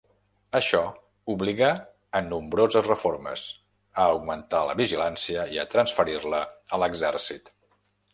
Això obligà a nombroses reformes, a augmentar la vigilància i a transferir-la a l'exèrcit.